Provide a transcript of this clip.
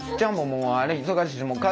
もうあれ忙しい